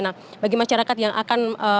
nah bagi masyarakat yang akan